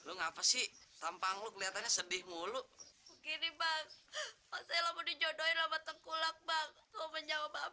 lo ngapain sih tampang lu kelihatannya sedih mulu gini bang masalahmu dijodohin